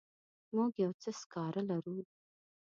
موږ یو څه سکاره لرو.